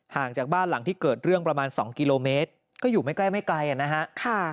จากบ้านหลังที่เกิดเรื่องประมาณ๒กิโลเมตรก็อยู่ไม่ใกล้ไม่ไกลนะฮะ